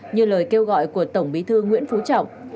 như lời kêu gọi của tổng bí thư nguyễn phú trọng